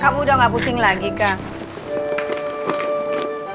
kamu udah gak pusing lagi kang